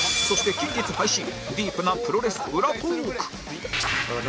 そして近日配信ディープなプロレス裏トーーク